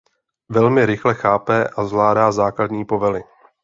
Velmi rychle chápe a zvládá základní povely.